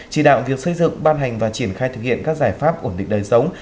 chỉ đạo việc xây dựng ban hành và triển khai thực hiện các giải pháp ổn định đời sống